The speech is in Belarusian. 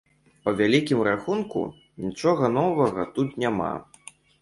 Па вялікім рахунку, нічога новага тут няма.